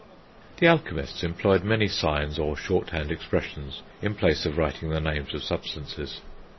The alchemists employed many signs, or shorthand expressions, in place of writing the names of substances.